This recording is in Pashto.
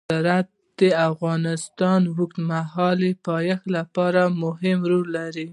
زراعت د افغانستان د اوږدمهاله پایښت لپاره مهم رول لري.